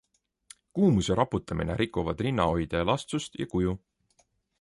Kuumus ja raputamine rikuvad rinnahoidja elastsust ja kuju.